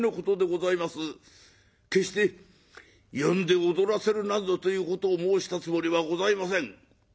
決して呼んで踊らせるなんぞということを申したつもりはございません」。